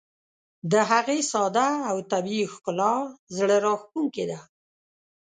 د هغې ساده او طبیعي ښکلا زړه راښکونکې ده.